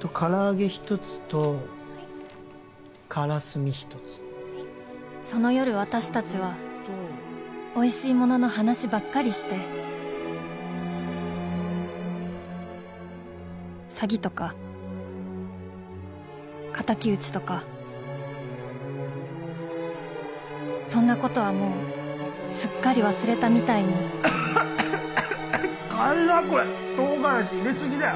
唐揚げ１つと・はいカラスミ１つ・はいその夜私達はおいしいものの話ばっかりして詐欺とか仇討ちとかそんなことはもうすっかり忘れたみたいに辛っこれ唐辛子入れすぎだよ